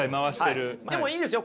でもいいですよ。